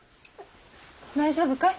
大丈夫かい？